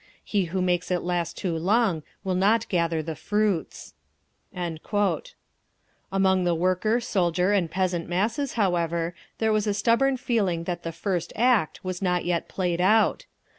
He who makes it last too long will not gather the fruits…." Among the worker, soldier and peasant masses, however, there was a stubborn feeling that the "first act" was not yet played out.